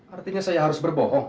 artinya saya harus berbohong